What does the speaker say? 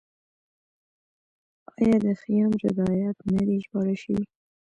آیا د خیام رباعیات نه دي ژباړل شوي؟